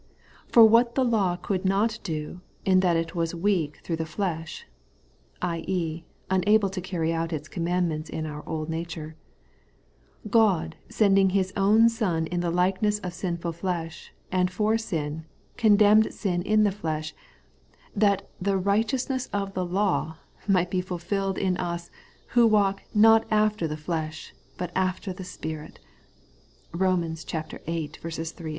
' For what the law could not do, in that it was weak through the flesh (i.e. unable to carry out its commandments in our old nature), God sending His own Son in the likeness of sinful flesh, and for sin, condemned sin in the flesh ; that the righteousness of the law might be fulfilled in us, who walk not after the flesh, but after the spirit ' (Eom. viii 3, 4).